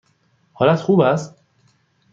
حالت خوب است؟